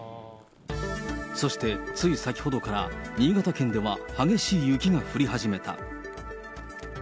そしてつい先ほどから新潟県では激しい雪が降り始めた。